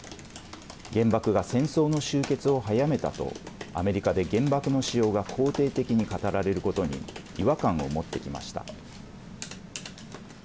原爆が戦争の終結を早めたとアメリカで原爆の使用が肯定的に語られることに違和感を持ってきました。